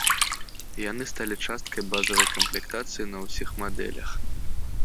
Яны сталі часткай базавай камплектацыі на ўсіх мадэлях.